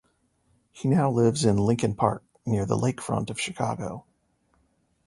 He now lives in Lincoln Park, near the lakefront of Chicago.